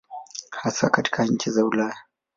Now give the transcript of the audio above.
Hasa katika nchi za Ulaya.